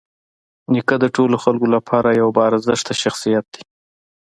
نیکه د ټولو خلکو لپاره یوه باارزښته شخصیت دی.